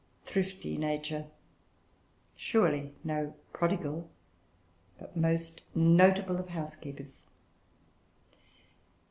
Thrifty Nature! Surely no prodigal, but most notable of housekeepers!